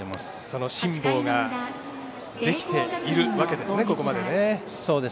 その辛抱ができているわけですね、ここまで。